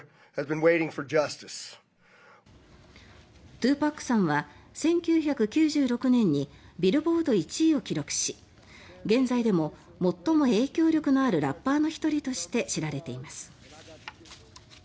２ＰＡＣさんは１９９６年にビルボード１位を記録し現在でも最も影響力のあるラッパーの１人として知られています。